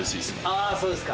ああ、そうですか。